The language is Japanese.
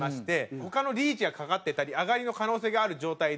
他のリーチが懸かってたりアガリの可能性がある状態で。